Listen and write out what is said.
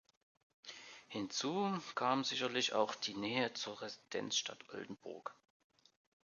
Hinzu kam sicherlich auch die Nähe zur Residenzstadt Oldenburg.